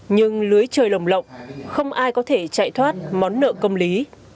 nhưng lưới trời lồng lộng không ai có thể chạy thoát món nợ công lý